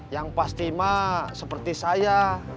yang pasti mah seperti saya